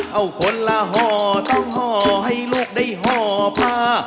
เอาคนละห่อสองห่อให้ลูกได้ห่อผ้า